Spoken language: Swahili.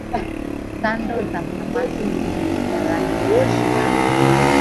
Tando za kamasi kugeuka rangi ya manjano